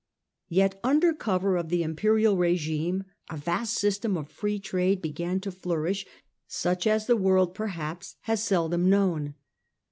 Yet under cover of the imperial r^ghne a vast system of free trade free trade began to flourish, such as the world perhaps has seldom known.